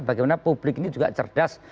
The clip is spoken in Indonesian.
bagaimana publik ini juga cerdas